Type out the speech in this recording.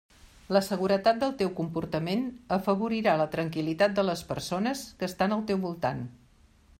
La seguretat del teu comportament afavorirà la tranquil·litat de les persones que estan al teu voltant.